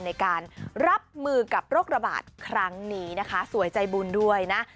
ในการรับมือกับโรคระบาดครั้งนี้นะคะสวยใจบุญด้วยนะ